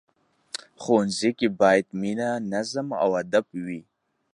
ښوونځی کې باید مینه، نظم او ادب وي